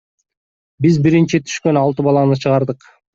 Биз биринчи түшкөн алты баланы чыгардык.